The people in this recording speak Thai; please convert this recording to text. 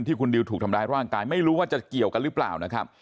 คุณดิวถูกทำร้ายร่างกายไม่รู้ว่าจะเกี่ยวกันหรือเปล่านะครับ